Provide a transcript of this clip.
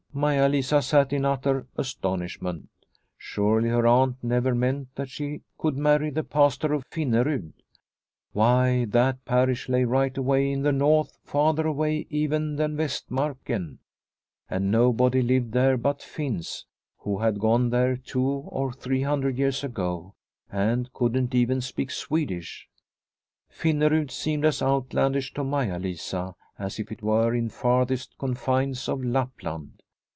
Maia Lisa sat in utter astonishment. Surely her aunt never meant that she could marry the Pastor of Finnerud. Why, that parish lay right away in the north, farther away even than Vastmarken. And nobody lived there but Finns who had gone there two or three hundred years ago, and couldn't even speak Swedish. Finnerud seemed as outlandish to Maia Lisa as if it were in farthest confines of Lapland.